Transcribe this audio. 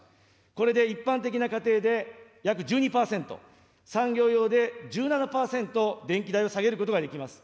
これで一般的な家庭で約１２％、産業用で１７％、電気代を下げることができます。